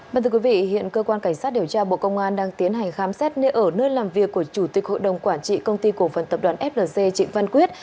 vâng thưa quý vị hiện cơ quan cảnh sát điều tra bộ công an đang tiến hành khám xét nơi ở nơi làm việc của chủ tịch hội đồng quản trị công ty cổ phần tập đoàn flc trịnh văn quyết